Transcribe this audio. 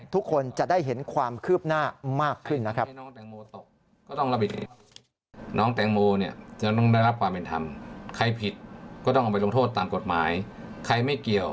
ทุกคนจะได้เห็นความคืบหน้ามากขึ้นนะครับ